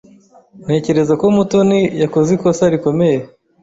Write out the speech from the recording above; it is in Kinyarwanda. Ntekereza ko Mutoni yakoze ikosa rikomeye.